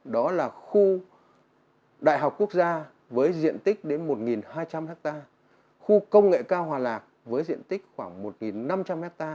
đó là khu đại học quốc gia với diện tích đến một hai trăm linh ha khu công nghệ cao hòa lạc với diện tích khoảng một năm trăm linh ha